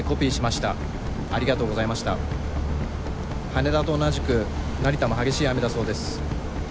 羽田と同じく成田も激しい雨だそうです。